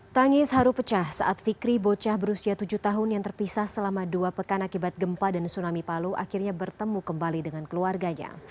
tangis haru pecah saat fikri bocah berusia tujuh tahun yang terpisah selama dua pekan akibat gempa dan tsunami palu akhirnya bertemu kembali dengan keluarganya